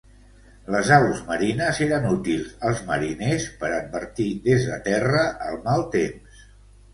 Les aus marines eren útils als mariners per advertir des de terra el mal temps.